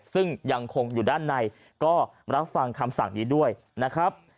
ซึ่งยังคงอยู่ด้านในก็รับฟังคำสั่งนี้ด้วยนะครับ